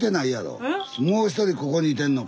もう１人ここにいてんの。